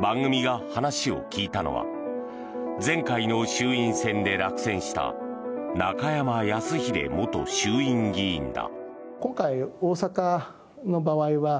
番組が話を聞いたのは前回の衆院選で落選した中山泰秀元衆院議員だ。